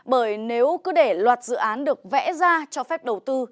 bởi nếu cứ để loạt dự án được vẽ ra cho phép đầu tư